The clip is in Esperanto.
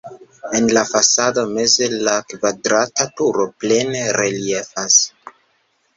En la fasado meze la kvadrata turo plene reliefas.